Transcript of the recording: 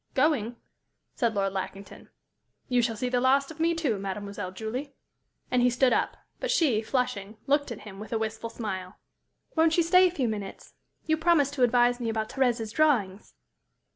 "Going?" said Lord Lackington. "You shall see the last of me, too, Mademoiselle Julie." And he stood up. But she, flushing, looked at him with a wistful smile. "Won't you stay a few minutes? You promised to advise me about Thérèse's drawings."